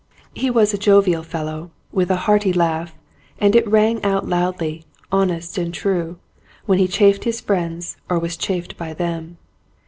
He was a jovial fellow, with a hearty laugh, and it rang out loudly, honest and true, when he chaffed his friends or was chaffed by them.